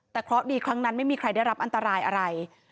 แต่เคราะห์ดีครั้งนั้นไม่มีใครได้รับอันตรายอะไร